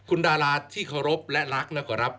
คุณดาราที่เคารพและรักนะครับ